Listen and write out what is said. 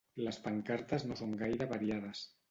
Les pancartes no són gaire variades.